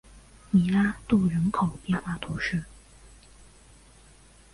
米拉杜人口变化图示